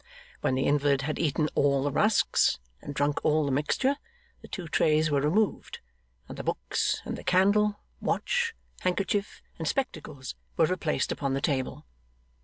When the invalid had eaten all the rusks and drunk all the mixture, the two trays were removed; and the books and the candle, watch, handkerchief, and spectacles were replaced upon the table.